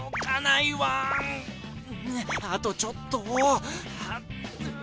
あとちょっと。